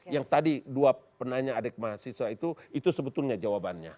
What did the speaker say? yang tadi dua penanya adik mahasiswa itu itu sebetulnya jawabannya